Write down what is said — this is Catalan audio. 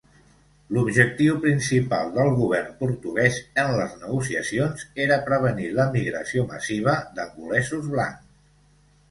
L'objectiu principal del govern portuguès en les negociacions era prevenir l'emigració massiva d'angolesos blancs.